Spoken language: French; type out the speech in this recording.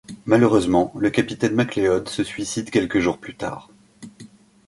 Malheureusement, le Capitain McLeod se suicide quelques jours plus tard.